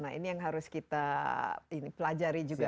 nah ini yang harus kita pelajari juga